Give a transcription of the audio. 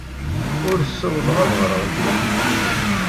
Ur ssawḍeɣ ad ɣreɣ i twacult-inu.